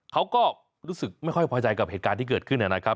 เขาก็รู้สึกไม่ค่อยพอใจกับเหตุการณ์ที่เกิดขึ้นนะครับ